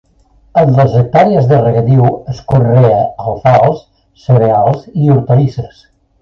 En les hectàrees de regadiu es conrea: alfals, cereals i hortalisses.